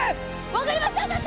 分かりました所長！